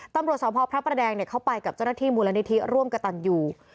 ตำรวจสพพระประแดงเข้าไปกับเจ้าหน้าที่มูลนิธิร่วมกระตันอยู่